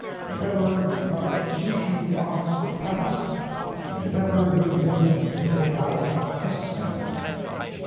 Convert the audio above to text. Whenever the contribution box was passed I never knew him to take out a cent."